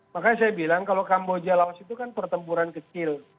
makanya saya bilang kalau kamboja lawas itu kan pertempuran kecil